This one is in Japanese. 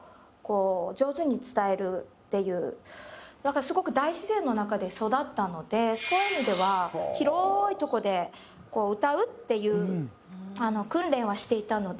だからすごく大自然の中で育ったのでそういう意味では広いとこで歌うっていう訓練はしていたので。